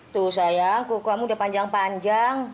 tuh sayang kuku kamu udah panjang panjang